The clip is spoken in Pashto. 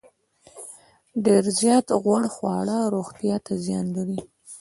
ډیر زیات غوړ خواړه روغتیا ته زیان لري.